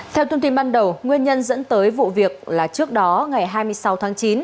theo thông tin ban đầu nguyên nhân dẫn tới vụ việc là trước đó ngày hai mươi sáu tháng chín